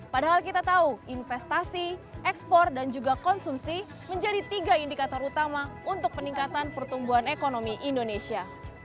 padahal kita tahu investasi ekspor dan juga konsumsi menjadi tiga indikator utama untuk peningkatan pertumbuhan ekonomi indonesia